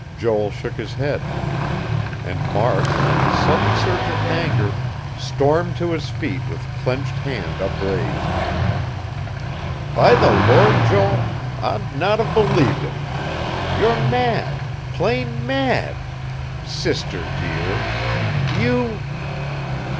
Joel shook his head. And Mark, in a sudden surge of anger, stormed to his feet with clenched hand upraised. "By the Lord, Joel, I'd not have believed it. You're mad; plain mad sister, dear! You...."